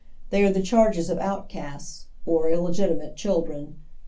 Tiiey are the charges of outcasts, or illegitimate children.